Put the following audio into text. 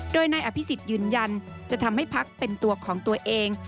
โดยนายอภิษฎยืนยันจะทำให้พักเป็นตัวของตัวเอง